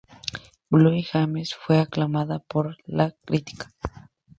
Blue Jasmine fue aclamada por la crítica.